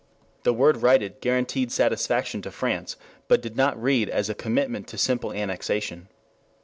The word "righted" guaranteed satisfaction to France, but did not read as a commitment to simple annexation.